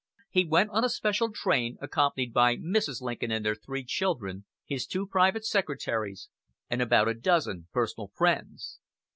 He went on a special train, accompanied by Mrs. Lincoln and their three children, his two private secretaries, and about a dozen personal friends.